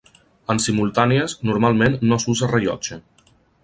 En simultànies, normalment no s’usa rellotge.